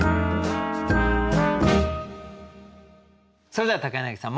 それでは柳さん